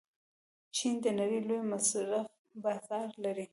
چین د نړۍ لوی مصرفي بازار لري.